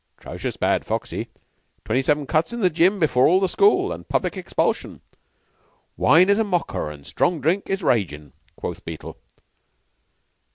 "'Trocious bad, Foxy. Twenty seven cuts in the Gym before all the school, and public expulsion. 'Wine is a mocker, strong drink is ragin','" quoth Beetle.